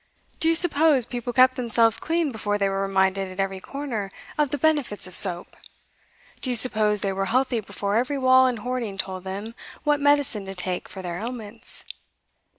Do you suppose people kept themselves clean before they were reminded at every corner of the benefits of soap? Do you suppose they were healthy before every wall and hoarding told them what medicine to take for their ailments?